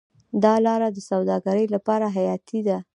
دا لاره د سوداګرۍ لپاره حیاتي ده.